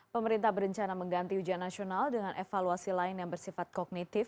pemerintah berencana mengganti ujian nasional dengan evaluasi lain yang bersifat kognitif